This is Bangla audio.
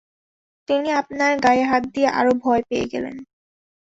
তিনি আপনার গায়ে হাত দিয়ে আরো ভয় পেয়ে গেলেন।